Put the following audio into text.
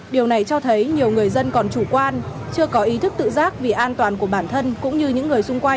điều này cho thấy nhiều người dân còn chủ quan chưa có ý thức tự giác vì an toàn của bản thân cũng như những người xung quanh